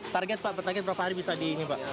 target pak bertahan berapa hari bisa di ini pak